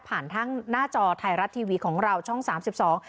ทางหน้าจอไทยรัฐทีวีของเราช่องสามสิบสอง